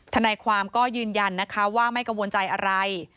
ทนายความก็ยืนยันนะคะว่าไม่กังวลใจอะไร